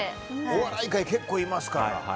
お笑い界いっぱいいますから。